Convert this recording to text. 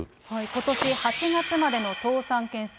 ことし８月までの倒産件数。